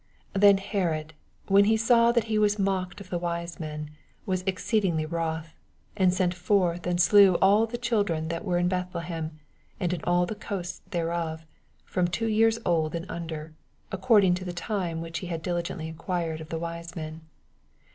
16 Then Herod, when he saw that he was mocked of the wise men, was exceeding wroth^ and sent forth, and slew all the children that were in Bethlehem, and in all the coasts thereof, from two years old and undei\ according to the time which he had diligently enquired of the wise men.